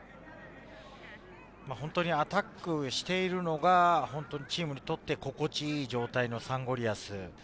ホントにアタックしているのがチームにとって心地良い状態のサンゴリアス。